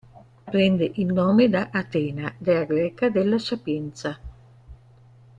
Prende il nome da Atena, dea greca della sapienza.